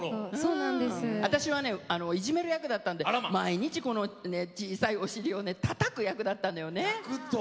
私はいじめる役だったので毎日小さいお尻をたたく役だったのよね。